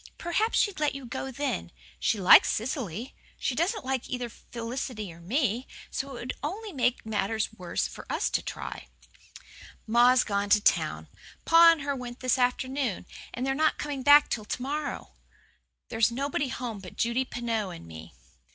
"Perhaps she'd let you go then. She likes Cecily. She doesn't like either Felicity or me, so it would only make matters worse for us to try." "Ma's gone to town pa and her went this afternoon and they're not coming back till to morrow. There's nobody home but Judy Pineau and me."